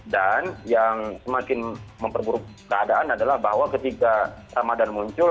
yang semakin memperburuk keadaan adalah bahwa ketika ramadhan muncul